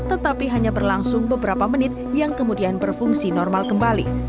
tetapi hanya berlangsung beberapa menit yang kemudian berfungsi normal kembali